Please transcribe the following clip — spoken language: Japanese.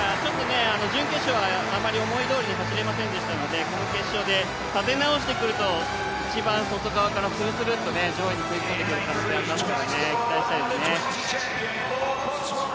準決勝はあまり思いどおりに走れませんでしたので、この決勝で立て直してくると、一番外側からするするっと上位に食い込んでくる可能性がありますから期待したいですね。